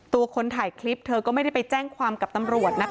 คนถ่ายคลิปเธอก็ไม่ได้ไปแจ้งความกับตำรวจนะคะ